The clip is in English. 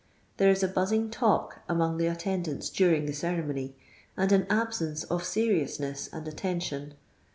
There is a buzzing talk among the uttendRnts during the ceremony, and an absence of seriousness and attention.